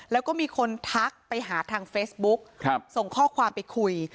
แล้วก็มีคนทักไปหาทางเฟซบุ๊กส่งข้อความไปคุย